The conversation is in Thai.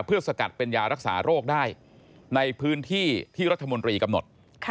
เพื่อสกัดเป็นยารักษาโรคได้ในพื้นที่ที่รัฐมนตรีกำหนด